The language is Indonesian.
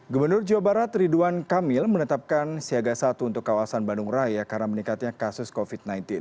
gubernur jawa barat ridwan kamil menetapkan siaga satu untuk kawasan bandung raya karena meningkatnya kasus covid sembilan belas